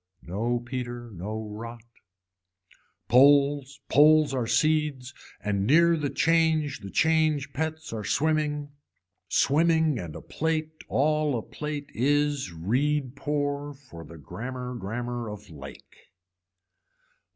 No peter no rot. Poles poles are seeds and near the change the change pets are swimming swimming and a plate all a plate is reed pour for the grammar grammar of lake.